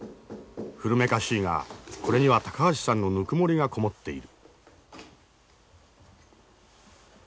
古めかしいがこれには高橋さんのぬくもりがこもっている。